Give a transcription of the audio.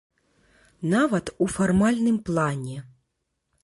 Нават у фармальным плане.